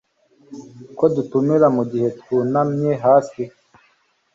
ko dutumira mugihe twunamye hasi